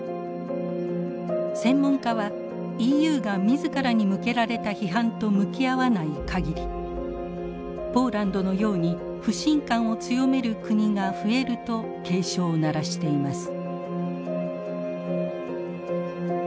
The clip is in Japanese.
専門家はＥＵが自らに向けられた批判と向き合わない限りポーランドのように不信感を強める国が増えると警鐘を鳴らしています。